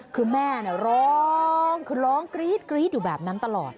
คือแม่ร้องคือร้องกรี๊ดอยู่แบบนั้นตลอด